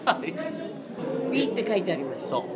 Ｂって書いてあります。